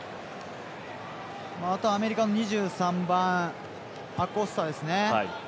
あとはアメリカの２３番アコスタですね。